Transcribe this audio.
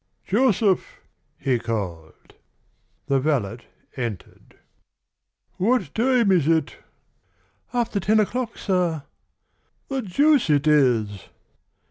"Joseph!" he called. The valet entered. "What time is it?" "After ten o'clock, sir." "The deuce it is!"